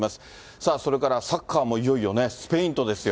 さあそれから、サッカーもいよいよスペインとですよ。